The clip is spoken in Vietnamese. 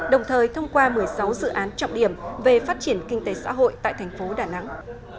đồng thời thông qua một mươi sáu dự án trọng điểm về phát triển kinh tế xã hội tại thành phố đà nẵng